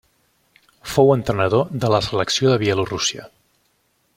Fou entrenador de la selecció de Bielorússia.